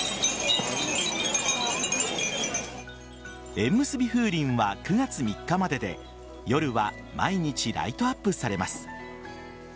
縁むすび風鈴は９月３日までで夜は毎日ライトアップされます。